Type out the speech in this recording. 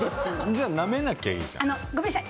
じゃあ、なめなきゃいいじゃん。